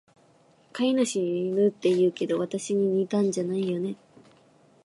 飼い主に似るって言うけど、わたしに似たんじゃないよね？